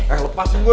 eh lepasin gua